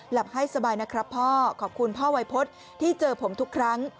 ให้สบายนะครับพ่อขอบคุณพ่อวัยพฤษที่เจอผมทุกครั้ง